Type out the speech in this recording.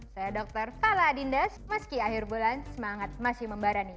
saya dr fala dindas meski akhir bulan semangat masih membarani